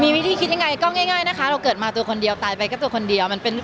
มีวิธีคิดยังไงก็ง่ายนะคะเราเกิดมาตัวคนเดียวตายไปก็ตัวคนเดียวมันเป็น